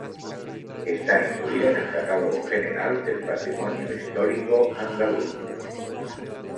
Está incluida en el Catálogo General del Patrimonio Histórico Andaluz.